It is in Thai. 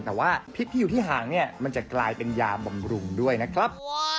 แต่ว่าพิษที่อยู่ที่ห่างเนี่ยมันจะกลายเป็นยาบำรุงด้วยนะครับ